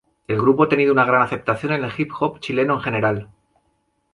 El grupo ha tenido una gran aceptación en el Hip-Hop Chileno en general.